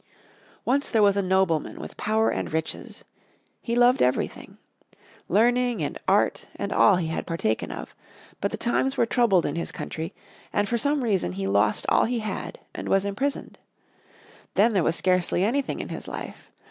_ Once there was a nobleman with power and riches. He loved everything. Learning and art and all had he partaken of. But the times were troubled in his country, and for some reason he lost all he had and was imprisoned. Then there was scarcely anything in his life.